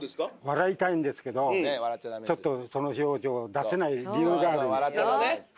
笑いたいんですけどちょっとその表情を出せない理由があるんです